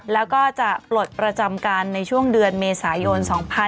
แล้วก็จะปลดประจำการในช่วงเดือนเมษายน๒๕๖๒